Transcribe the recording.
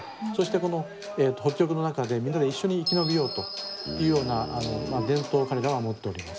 この北極の中でみんなで一緒に生き延びようというような伝統を彼らは持っております。